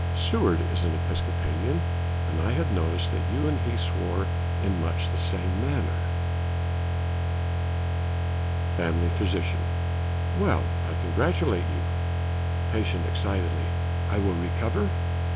"Seward is an Episcopalian, and I had noticed that you and he swore in much the same manner." Family Physician: "Well, I congratulate you." Patient (excitedly): "I will recover?"